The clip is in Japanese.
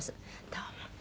どうも。